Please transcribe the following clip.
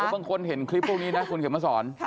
บางคนเห็นคลิปพวกนี้นะคุณเขียนมาสอน